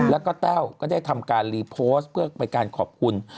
แล้วก็แต้วก็ได้ทำการรีโพสต์เพื่อเป็นการขอบคุณ